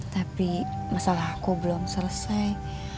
tapi masalah aku belum selesai